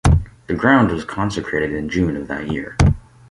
The ground was consecrated in June of that year.